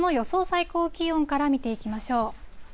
最高気温から見ていきましょう。